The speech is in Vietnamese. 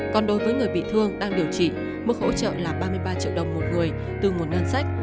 còn đối với người bị thương đang điều trị mức hỗ trợ là ba mươi ba triệu đồng một người từ nguồn ngân sách